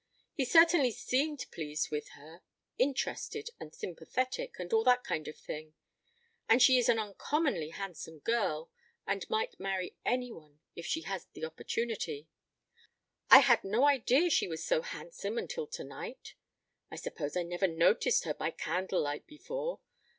He certainly seemed pleased with her; interested and sympathetic, and all that kind of thing. And she is an uncommonly handsome girl, and might marry any one if she had the opportunity. I had no idea she was so handsome until to night. I suppose I never noticed her by candlelight before.